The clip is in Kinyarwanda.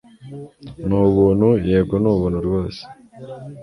Ni Ubuntu yego ni Ubuntu rwose